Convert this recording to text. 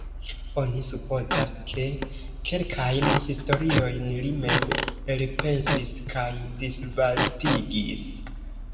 Oni supozas, ke kelkajn historiojn li mem elpensis kaj disvastigis.